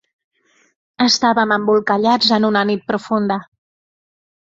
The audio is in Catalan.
Estàvem embolcallats en una nit profunda.